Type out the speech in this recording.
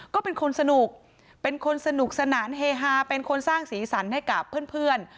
ก็เป็นคนสนุกเป็นคนสนุกสนานเฮฮาเป็นคนสร้างสีสันให้กับเพื่อน